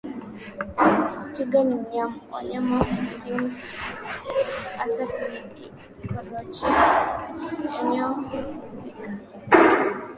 Twiga ni wanyama muhimu sana hasa kwenye ikolojia ya eneo husika lakini pia mnyama